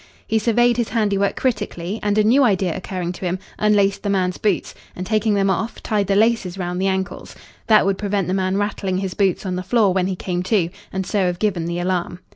He surveyed his handiwork critically, and, a new idea occurring to him, unlaced the man's boots, and, taking them off, tied the laces round the ankles. That would prevent the man rattling his boots on the floor when he came to, and so have given the alarm.